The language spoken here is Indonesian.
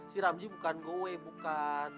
si ramji bukan go way bukan